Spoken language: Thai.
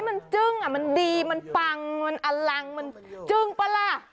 มันจึ้งอ่ะมันดีมันปังมันอลังมันจึ้งป่ะล่ะ